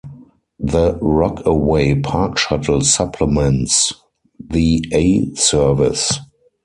The Rockaway Park Shuttle supplements the A service.